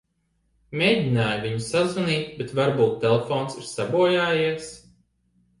Mēģināju viņu sazvanīt, bet varbūt telefons ir sabojājies.